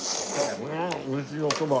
おいしいおそば。